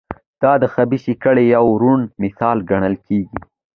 دا د خبیثه کړۍ یو روڼ مثال ګڼل کېږي.